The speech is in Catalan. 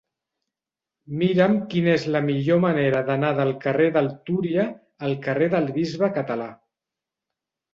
Mira'm quina és la millor manera d'anar del carrer del Túria al carrer del Bisbe Català.